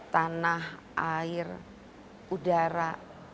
tanah air udara